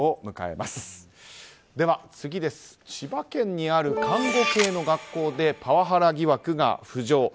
次です、千葉県にある看護系の学校でパワハラ疑惑が浮上。